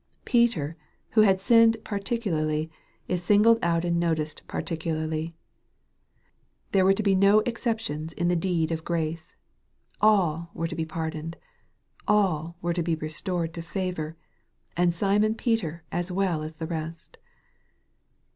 Peter, who had sinned particularly, is singled out and noticed particularly. There were to be no exceptions in the deed of grace. All were to be pardoned. All were to be restored to favor and Simon Peter as well as the rest.